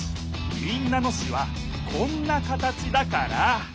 民奈野市はこんな形だから。